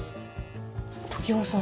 常葉さん。